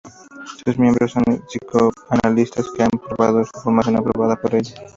Sus miembros son psicoanalistas que han aprobado una formación aprobada por ella.